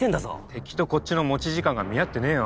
敵とこっちの持ち時間が見合ってねえよ。